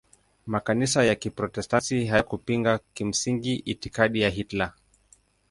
Makanisa ya Kiprotestanti hayakupinga kimsingi itikadi ya Hitler.